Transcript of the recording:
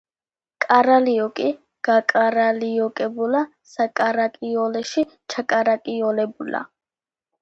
კარალიოკი გაკარალიოკებულა საკარალიოკეში ჩაკარალიოკებულა